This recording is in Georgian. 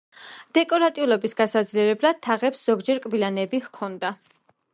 დეკორატიულობის გასაძლიერებლად თაღებს ზოგჯერ კბილანები ჰქონდა.